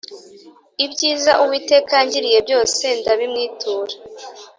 Ibyiza Uwiteka yangiriye byose Ndabimwitura